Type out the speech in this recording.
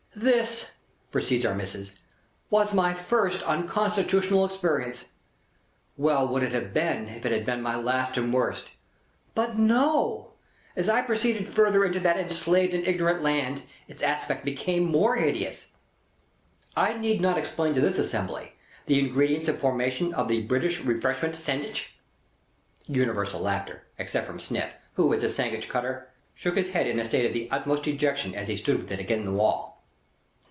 "This," proceeds Our Missis, "was my first unconstitutional experience. Well would it have been, if it had been my last and worst. But no. As I proceeded further into that enslaved and ignorant land, its aspect became more hideous. I need not explain to this assembly, the ingredients and formation of the British Refreshment sangwich?" Universal laughter—except from Sniff, who, as sangwich cutter, shook his head in a state of the utmost dejection as he stood with it agin the wall.